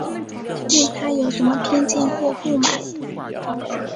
对她有什么偏见或不满